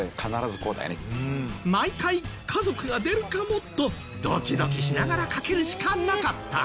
毎回家族が出るかもとドキドキしながらかけるしかなかった。